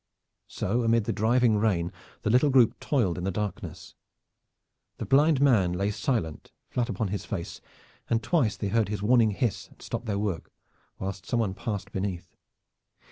So, amid the driving rain, the little group toiled in the darkness. The blind man lay silent, flat upon his face, and twice they heard his warning hiss and stopped their work, whilst some one passed beneath.